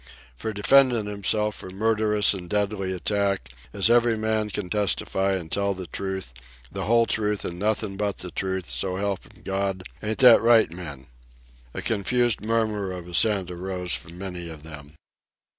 For defendin' himself from murderous an' deadly attack, as every man can testify an' tell the truth, the whole truth, an' nothin' but the truth, so help 'm, God—ain't that right, men?" A confused murmur of assent arose from many of them.